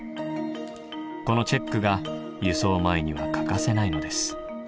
このチェックが輸送前には欠かせないのです。